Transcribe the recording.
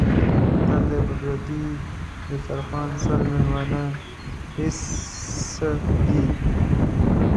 متل دی: په پردي دیسترخوا سل مېلمانه هېڅ دي.